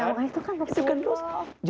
ya itu kan maksudnya